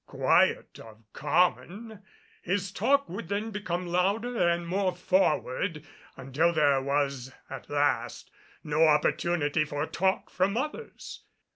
Quiet of common, his talk would then become louder and more forward until there was at last no opportunity for talk from others.